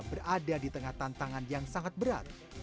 berada di tengah tantangan yang sangat berat